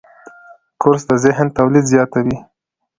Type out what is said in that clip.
کورس د ذهن تولید زیاتوي.